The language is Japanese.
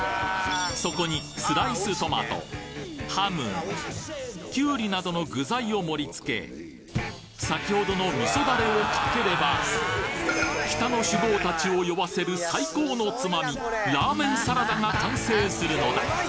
そこにスライストマトハムキュウリなどの具材を盛り付け先ほどの味噌ダレをかければ北の酒豪達を酔わせる最高のつまみラーメンサラダが完成するのだ